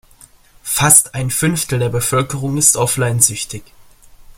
Fast ein Fünftel der Bevölkerung ist offline-süchtig.